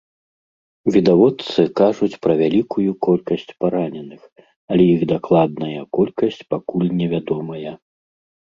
Відавочцы кажуць пра вялікую колькасць параненых, але іх дакладная колькасць пакуль невядомая.